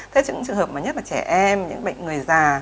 thế những trường hợp mà nhất là trẻ em những bệnh người già